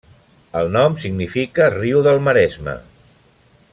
El nom significa riu del maresme.